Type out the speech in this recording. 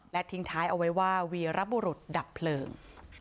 และทิ้งท้ายเอาไว้ว่าวีรบุรุษดับเพลิง